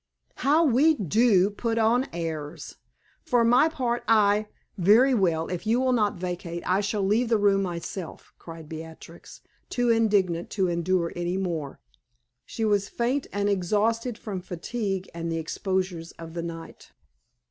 How we do put on airs! For my part I " "Very well. If you will not vacate, I shall leave the room myself," cried Beatrix, too indignant to endure any more. She was faint and exhausted from fatigue and the exposures of the night.